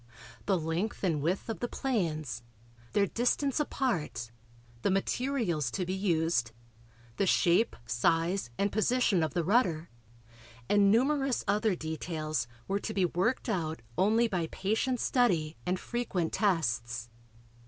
The length and width of the planes, their distance apart, the materials to be used, the shape, size and position of the rudder and numerous other details were to be worked out only by patient study and frequent tests.